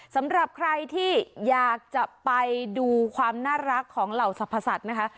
สำหรับใครที่อยากจะไปดูความน่ารักของเหล่าสรรพสัตว์นะคะ